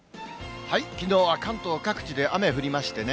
きのうは関東各地で雨降りましてね。